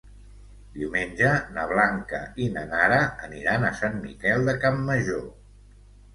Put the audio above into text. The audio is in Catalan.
Diumenge na Blanca i na Nara aniran a Sant Miquel de Campmajor.